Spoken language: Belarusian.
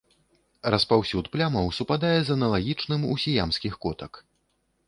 Распаўсюд плямаў супадае з аналагічным у сіямскіх котак.